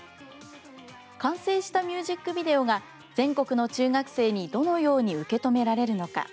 完成したミュージックビデオが全国の中学生にどのように受け止められるのか。